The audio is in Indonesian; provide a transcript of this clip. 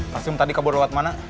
kasim tadi kabur lewat mana